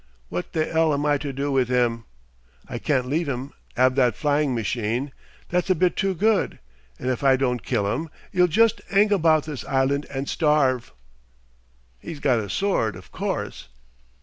What the 'ell am I to do with 'im? I can't leave 'im 'ave that flying machine; that's a bit too good, and if I don't kill 'im, 'e'll jest 'ang about this island and starve.... "'E's got a sword, of course"....